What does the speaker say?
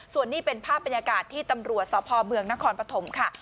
ส่วนนี้เป็นภาพบรรยากาศที่ตำรวจสพเมืองนครปฐมค่ะ